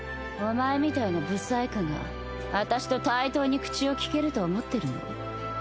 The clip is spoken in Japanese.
お前みたいな不細工があたしと対等に口を利けると思ってるの？